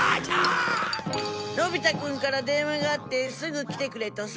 のび太くんから電話があって「すぐ来てくれ」とさ。